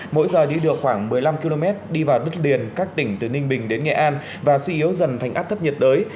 mỗi giờ đi được khoảng một mươi năm km đi vào đất liền các tỉnh từ ninh bình đến nghệ an và suy yếu dần thành áp thấp nhiệt đới